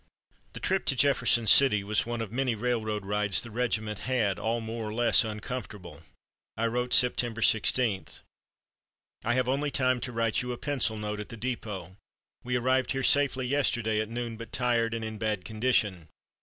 The trip to Jefferson City was one of many railroad rides the regiment had, all more or less uncomfortable. I wrote, September 16: "I have only time to write you a pencil note at the dépôt. We arrived here safely yesterday at noon, but tired and in bad condition.